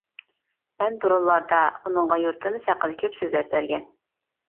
مەن بۇرۇنلاردا، ئۇنىڭغا يۇرتىمىز ھەققىدە كۆپ سۆزلەپ بەرگەن.